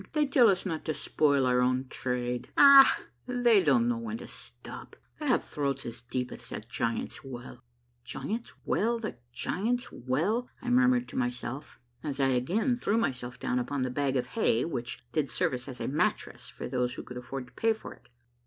They tell us not to spoil our own trade. Akh! Ah! they don't know when to stop. They have throats as deep as the ' Giants' Well !'" "The Giants' Well I The Giants' Well!"! murmured to myself, as I again threw myself down upon the bag of hay which did service as a mattress for those who could afford to pay for it.